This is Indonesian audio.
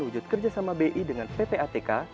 wujud kerjasama bi dengan ppatk